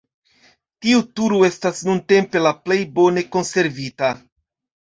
Tiu turo estas nuntempe la plej bone konservita.